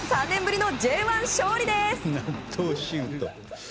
１０年ぶりのＪ１勝利です。